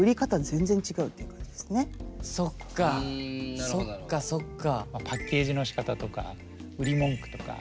そっかそっかそっか。